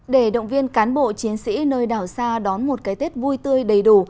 để động viên cán bộ chiến sĩ nơi đảo xa đón một cái tết vui tươi đầy đủ